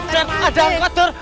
dar ada angkot dar